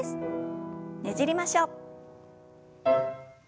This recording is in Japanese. ねじりましょう。